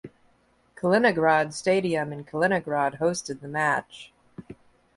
Kaliningrad Stadium in Kaliningrad hosted the match.